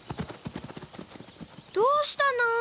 どうしたのー？